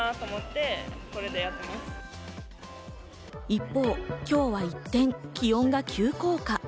一方、今日は一転気温が急降下。